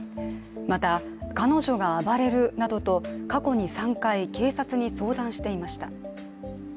また、彼女が暴れるなどと過去に３回警察に相談していました。